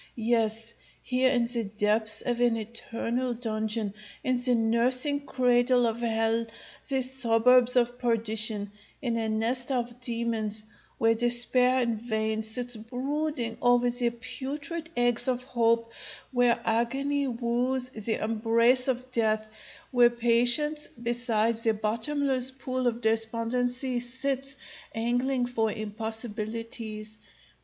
Yes, here in the depths of an eternal dungeon, in the nursing cradle of hell, the suburbs of perdition, in a nest of demons, where despair in vain sits brooding over the putrid eggs of hope; where agony wooes the embrace of death; where patience, beside the bottomless pool of despondency, sits angling for impossibilities.